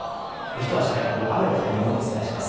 ひと足早く、雨のタイミングをお伝えします。